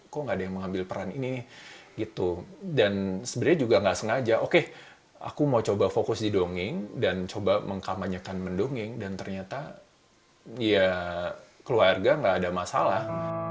kok gak ada yang mengambil peran ini gitu dan sebenarnya juga nggak sengaja oke aku mau coba fokus di dongeng dan coba mengkamanyakan mendongeng dan ternyata ya keluarga gak ada masalah